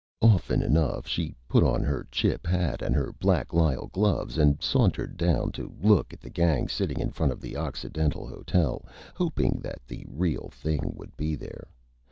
Often enough she put on her Chip Hat and her Black Lisle Gloves and Sauntered down to look at the Gang sitting in front of the Occidental Hotel, hoping that the Real Thing would be there.